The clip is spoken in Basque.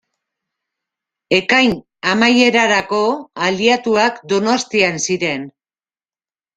Ekain amaierarako, aliatuak Donostian ziren.